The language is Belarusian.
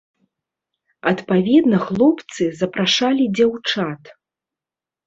Адпаведна хлопцы запрашалі дзяўчат.